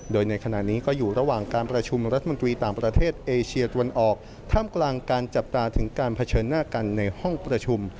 โดยในขณะนี้ก็อยู่ระหว่างการประชุมรัฐมนตรีต่างประเทศเอเชียตะวันออกท่ามกลางการจับตาถึงการเผชิญหน้ากันในห้องประชุม